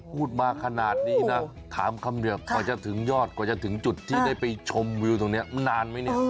พูดมาขนาดนี้นะถามคำเหนือกว่าจะถึงยอดกว่าจะถึงจุดที่ได้ไปชมวิวตรงนี้มันนานไหมเนี่ย